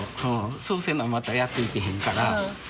そうせなまたやっていけへんから。